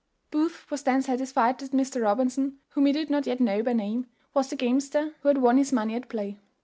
Booth was then satisfied that Mr. Robinson, whom he did not yet know by name, was the gamester who had won his money at play.